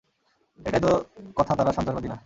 এটাই তো কথা তারা সন্ত্রাসবাদী না।